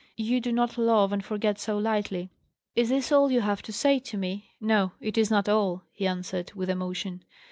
You do not love and forget so lightly." "Is this all you have to say to me?" "No, it is not all," he answered, with emotion.